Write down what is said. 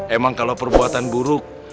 emang kalau perbuatan buruk